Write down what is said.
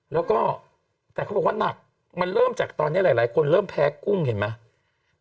แล้วก็แต่เขาบอกว่าหนักมันเริ่มจากตอนนี้หลายคนเริ่มแพ้กุ้งเห็นไหม